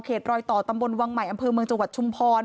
รอยต่อตำบลวังใหม่อำเภอเมืองจังหวัดชุมพร